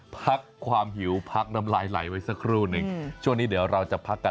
พักความหิวช่วงนี้เดี๋ยวเราจะพักกัน